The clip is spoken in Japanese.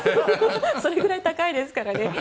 それぐらい高いですからね。